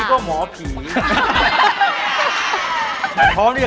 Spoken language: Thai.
ตอนนี้อยากจะบอกว่า